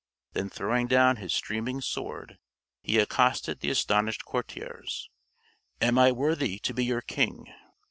Then, throwing down his streaming sword, he accosted the astonished courtiers: "Am I worthy to be your king?"